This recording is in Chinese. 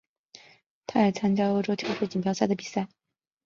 他也参加欧洲跳水锦标赛的比赛。